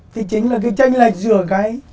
thì chính là cái tranh lệch giữa cái